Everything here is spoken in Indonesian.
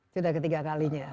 sudah ketiga kalinya